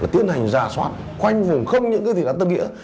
tiến hành ra soát khoanh vùng không những thị trấn tân nghĩa